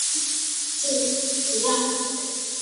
他把库拉努党定位为一个中间派政党。